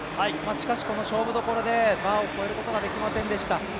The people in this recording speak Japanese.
しかし、この勝負どころでバーを越えることができませんでした。